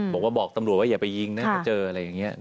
บอกว่าบอกตำรวจว่าอย่าไปยิงนะถ้าเจออะไรอย่างนี้